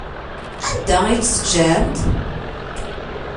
Anda ay t-teǧǧamt?